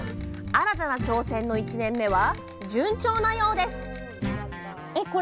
新たな挑戦の１年目は順調なようです